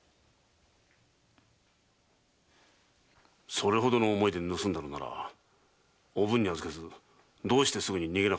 それほどの思いで盗んだのならおぶんに預けずどうしてすぐに逃げなかったんだ？